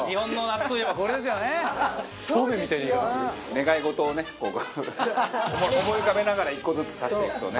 願い事をね思い浮かべながら１個ずつ刺していくとね。